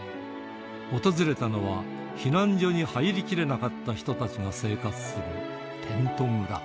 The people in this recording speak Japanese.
訪れたのは、避難所に入りきれなかった人たちが生活するテント村。